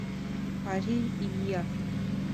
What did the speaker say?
Парий — ия.